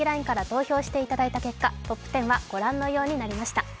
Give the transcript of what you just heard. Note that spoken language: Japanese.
ＬＩＮＥから投票していただいた結果、トップ１０はご覧のようになりました。